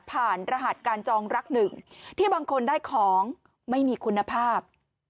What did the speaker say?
รหัสการจองรักหนึ่งที่บางคนได้ของไม่มีคุณภาพ